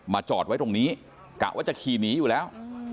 จอดไว้ตรงนี้กะว่าจะขี่หนีอยู่แล้ว